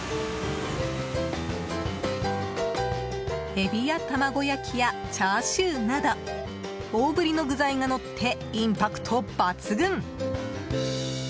エビや卵焼きやチャーシューなど大ぶりの具材がのってインパクト抜群！